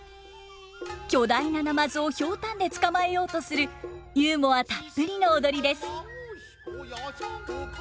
巨大なナマズを瓢箪で捕まえようとするユーモアたっぷりの踊りです。